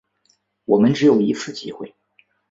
我们只有一次机会